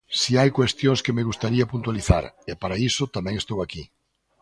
Si hai cuestións que me gustaría puntualizar, e para iso tamén estou aquí.